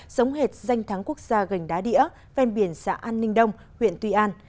sống hệt danh thắng quốc gia gành đá đĩa ven biển xã an ninh đông huyện tuy an